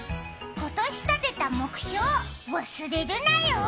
今年立てた目標忘れるなよ！